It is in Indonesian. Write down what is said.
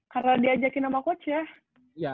karena diajakin sama coach ya